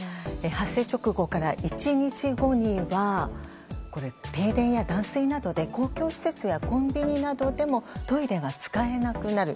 発生直後から１日後には停電や断水などで公共施設やコンビニなどでもトイレが使えなくなる。